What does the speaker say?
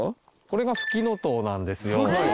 これがフキノトウなんですよ。